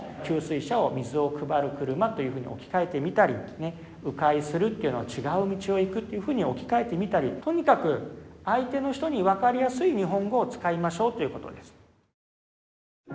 「給水車」を「水をくばる車」というふうに置き換えてみたりね「う回する」というのを「ちがう道をいく」っていうふうに置き換えてみたりとにかく相手の人に分かりやすい日本語を使いましょうということです。